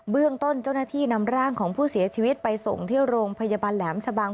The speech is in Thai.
เรื่องต้นเจ้าหน้าที่นำร่างของผู้เสียชีวิตไปส่งที่โรงพยาบาลแหลมชะบัง